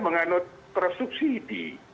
mengandung prosedur subsidi